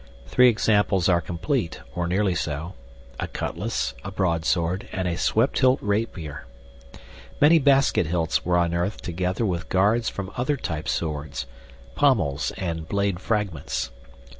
Three examples are complete, or nearly so a cutlass, a broadsword, and a swept hilt rapier. Many basket hilts were unearthed together with guards from other type swords, pommels, and blade fragments.